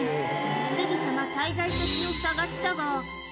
すぐさま滞在先を探したが。